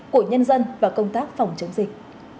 của nhân dân và công tác phòng chống dịch